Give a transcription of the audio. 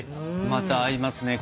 また合いますね